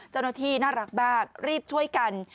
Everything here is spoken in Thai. เจ้าหน้าที่น่ารักมากรีบช่วยกัน